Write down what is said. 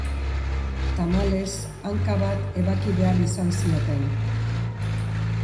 Tamalez, hanka bat ebaki behar izan zioten.